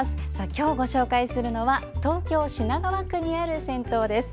今日ご紹介するのは東京・品川区にある銭湯です。